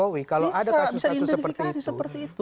bisa bisa diidentifikasi seperti itu